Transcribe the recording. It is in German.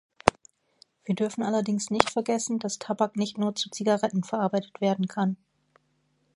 Wir dürfen allerdings nicht vergessen, dass Tabak nicht nur zu Zigaretten verarbeitet werden kann.